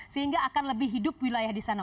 sehingga akan lebih hidup wilayah di sana